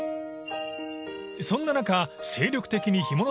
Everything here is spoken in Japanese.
［そんな中］